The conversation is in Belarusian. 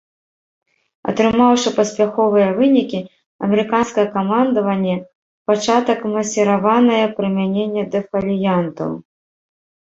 Атрымаўшы паспяховыя вынікі, амерыканскае камандаванне пачатак масіраванае прымяненне дэфаліянтаў.